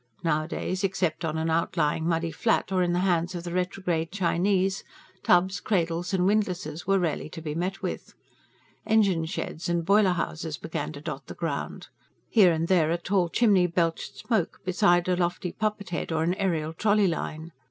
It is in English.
Nowadays, except on an outlying muddy flat or in the hands of the retrograde Chinese, tubs, cradles, and windlasses were rarely to be met with. Engine sheds and boiler houses began to dot the ground; here and there a tall chimney belched smoke, beside a lofty poppet head or an aerial trolley line.